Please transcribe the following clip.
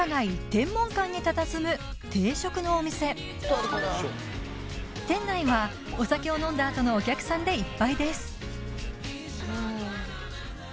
天文館にたたずむ定食のお店店内はお酒を飲んだあとのお客さんでいっぱいです